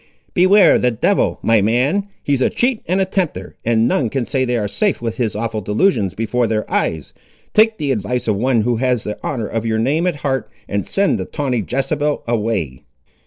"Beware the devil, my man! He's a cheat and a tempter, and none can say they ar' safe with his awful delusions before their eyes! Take the advice of one who has the honour of your name at heart, and send the tawny Jezebel away."